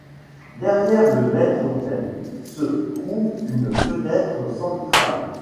Derrière le maître-autel se trouve une fenêtre sans vitrail.